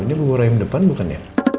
ini bubur ayam depan bukan ya